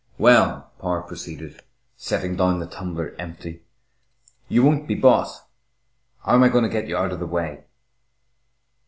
"Well," Power proceeded, setting down the tumbler empty, "you won't be bought. How am I going to get you out of the way?"